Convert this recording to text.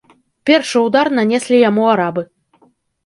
Першы ўдар нанеслі яму арабы.